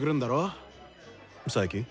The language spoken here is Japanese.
佐伯？